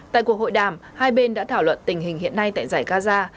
tại cuộc hội đàm hai bên đã thảo luận tình hình hiện nay tại giải gaza